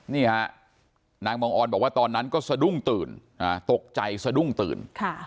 นี่ฮะนางบังออนบอกว่าตอนนั้นก็สะดุ้งตื่นตกใจสะดุ้งตื่น